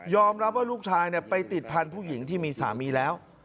รับว่าลูกชายไปติดพันธุ์ผู้หญิงที่มีสามีแล้ว